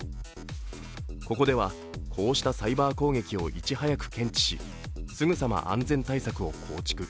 ここでは、こうしたサイバー攻撃をいち早く検知しすぐさま安全対策を構築。